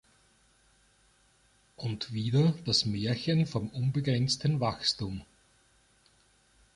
Und wieder das Märchen vom unbegrenzten Wachstum.